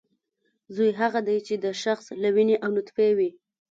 زوی هغه دی چې د شخص له وینې او نطفې وي